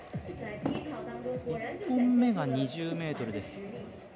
１本目が２０ｍです。